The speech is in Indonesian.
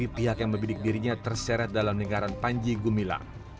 pihak yang membidik dirinya terseret dalam negara panji gumilang